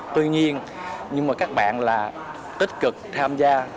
tuy nhiên nhưng mà các bạn là tích cực tham gia